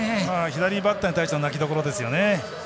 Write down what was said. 左バッターに対しての泣きどころですよね。